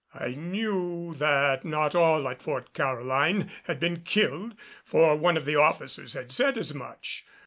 I knew that not all at Fort Caroline had been killed, for one of the officers had said as much.